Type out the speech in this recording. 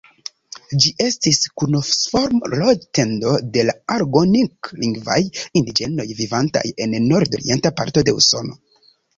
Ĝi estis konusforma loĝ-tendo de la algonkin-lingvaj indiĝenoj, vivantaj en nordorienta parto de Usono.